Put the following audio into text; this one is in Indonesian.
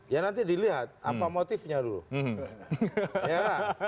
ya nanti dilihat apa motifnya dulu